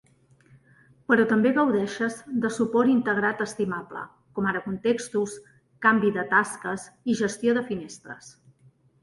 Però també gaudeixes de suport integrat estimable, com ara contextos, canvi de tasques i gestió de finestres.